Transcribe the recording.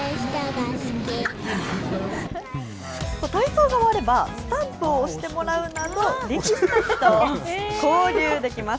体操が終われば、スタンプを押してもらうなど、力士たちと交流できます。